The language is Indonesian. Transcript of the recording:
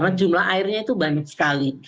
karena airnya itu banyak sekali